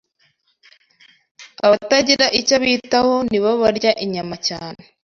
abatagira icyo bitaho nibo barya inyama cyane